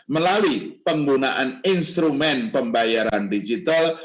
melalui penggunaan instrumen pembayaran digital